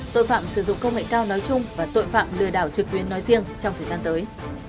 tội phạm sử dụng công nghệ cao nói chung và tội phạm lừa đảo trực tuyến nói riêng trong thời gian tới